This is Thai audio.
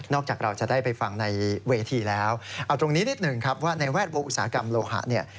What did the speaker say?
จากเราจะได้ไปฟังในเวทีแล้วเอาตรงนี้นิดหนึ่งครับว่าในแวดวงอุตสาหกรรมโลหะเนี่ย